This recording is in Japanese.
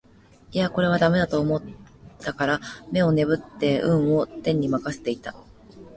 いやこれは駄目だと思ったから眼をねぶって運を天に任せていた